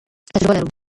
تجربه لرو.